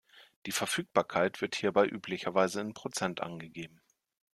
Die "Verfügbarkeit" wird hierbei üblicherweise in Prozent angegeben.